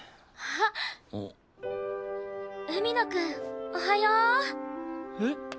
あっ海野くんおはよう！へっ？